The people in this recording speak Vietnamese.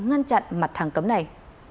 ngăn chặn mặt hàng cấm này